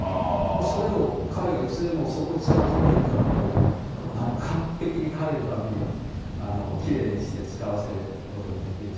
それを彼がいつでもそこを使うぞと言ったら、もう完璧に彼のためにきれいにして使わせることができるし。